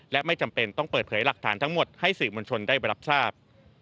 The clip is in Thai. และไม่จำเป็นต้องเปิดเผยหลักฐานทั้งหมดให้สื่อมวลชนได้รับทราบ